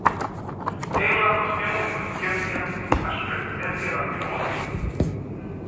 É unha cuestión de conciencia a supervivencia da Filosofía.